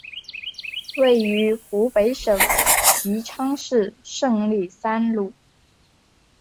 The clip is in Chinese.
位于湖北省宜昌市胜利三路。